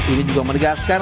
ini juga menegaskan